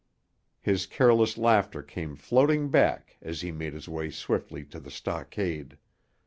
His careless laughter came floating back as he made his way swiftly to the stockade.